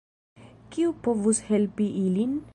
Kiu povus helpi ilin?